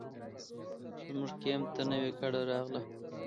زموږ کمپ ته نوې کډه راغله.